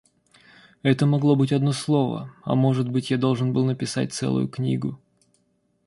Это могло быть одно слово, а может быть, я должен был написать целую книгу.